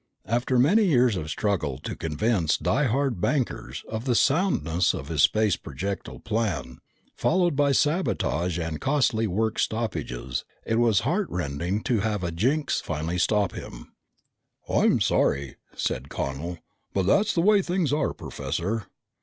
After many years of struggle to convince die hard bankers of the soundness of his Space Projectile plan, followed by sabotage and costly work stoppages, it was heart rending to have a "jinx" finally stop him. "I'm sorry," said Connel, "but that's the way things are, Professor."